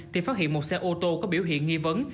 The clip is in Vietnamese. thì phát hiện một xe ô tô có biểu hiện nghi vấn